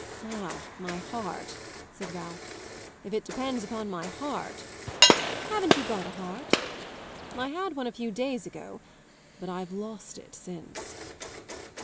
"Ah, my heart," said Ralph. "If it depends upon my heart !" "Haven't you got a heart?" "I had one a few days ago, but I've lost it since."